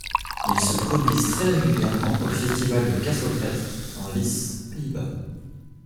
Ils se produisent très régulièrement au festival de Castlefest en Lisse, Pays-Bas.